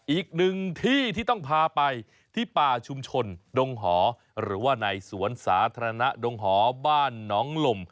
อีกหนึ่งที่ที่ต้องพาไปที่ป่าชุมชนดงหอหรือว่าในสวนสาธารณะดงหอบ้านหนองลม